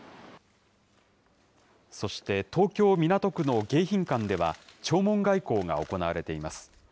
そして東京・港区の迎賓館では、弔問外交が行われています。